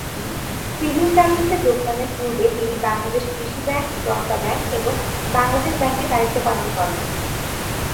Civil সার্ভিসে যোগদানের পূর্বে তিনি বাংলাদেশ কৃষি ব্যাংক, জনতা ব্যাংক এবং বাংলাদেশ ব্যাংকে দায়িত্ব পালন করেন।